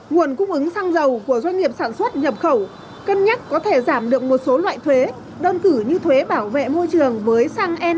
nguồn cung ứng xăng dầu của doanh nghiệp sản xuất nhập khẩu cân nhắc có thể giảm được một số loại thuế đơn cử như thuế bảo vệ môi trường với xăng e năm ron chín mươi hai